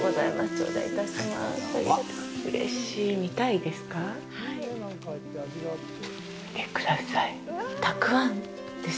頂戴いたします。